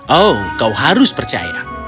oh kau harus percaya